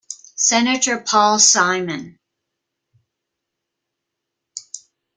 Senator Paul Simon.